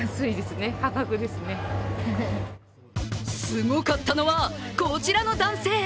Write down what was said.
すごかったのは、こちらの男性。